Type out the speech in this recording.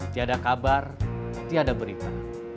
tidak ada kabar tidak ada berita